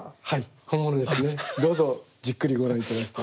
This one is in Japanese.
どうぞじっくりご覧頂いて。